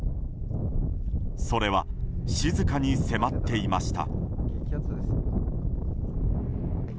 それは、静かに迫っていました。